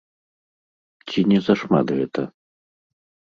Ці не зашмат гэта?